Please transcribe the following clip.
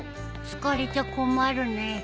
好かれちゃ困るね。